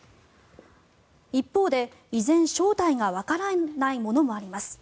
一方で依然、正体がわからないものもあります。